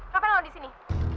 ngapain lo di sini